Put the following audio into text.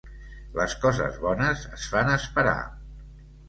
Les coses bones es fan esperar.